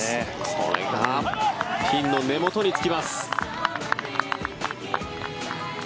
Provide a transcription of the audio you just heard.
これがピンの根元につきます。